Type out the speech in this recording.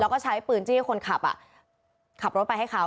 แล้วก็ใช้ปืนจี้คนขับขับรถไปให้เขา